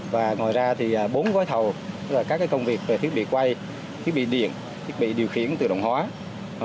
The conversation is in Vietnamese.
và ngoài ra thì bốn gói thầu các công việc về thiết bị quay thiết bị điện thiết bị điều khiển tự động hóa